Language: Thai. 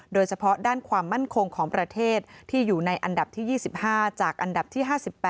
โดยเฉพาะด้านความมั่นคงของประเทศที่อยู่ในอันดับที่๒๕จากอันดับที่๕๘